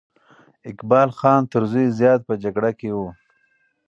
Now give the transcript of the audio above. اقبال خان تر زوی زیات په جګړه کې وو.